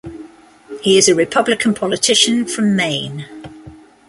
He is a Republican politician from Maine.